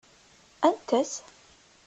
Anta-tt?